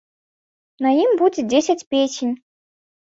На ім будзе дзесяць песень.